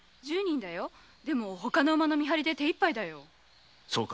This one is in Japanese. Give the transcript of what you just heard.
十人だけど他の馬の見張りで手いっぱいだよ。